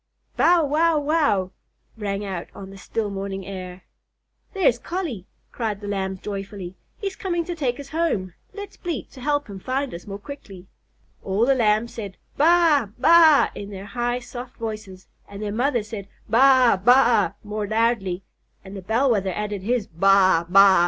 "Bow wow wow!" rang out on the still morning air. "There's Collie!" cried the Lambs joyfully. "He's coming to take us home. Let's bleat to help him find us more quickly." All the Lambs said, "Baa! Baaa!" in their high, soft voices, and their mothers said "Baa! Baaa!" more loudly; and the Bell Wether added his "Baa! Baaa!"